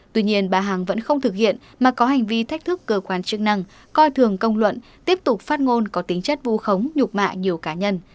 tuy nhiên bà hằng vẫn không thực hiện mà có hành vi thách thức cơ quan chức năng coi thường công luận tiếp tục phát ngôn có tính chất vu khống nhục mạ nhiều cá nhân